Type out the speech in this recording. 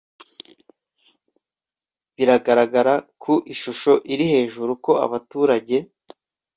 biragaragara ku ishusho iri hejuru ko abaturage